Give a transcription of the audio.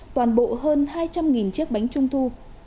toàn bộ hơn hai trăm linh chiếc bánh trung thu